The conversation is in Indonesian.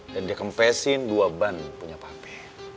dan dia kempesin dua ban punya papi